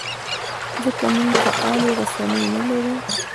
ځکه موږ فعالې رسنۍ نه لرو.